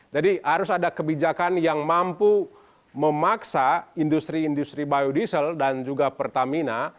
jadi harus ada kebijakan yang mampu memaksa industri industri biodiesel dan juga pertamina